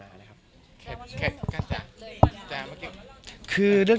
ก็มีไปคุยกับคนที่เป็นคนแต่งเพลงแนวนี้